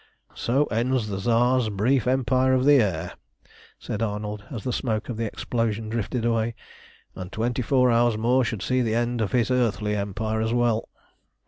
"So ends the Tsar's brief empire of the air!" said Arnold, as the smoke of the explosion drifted away. "And twenty four hours more should see the end of his earthly Empire as well."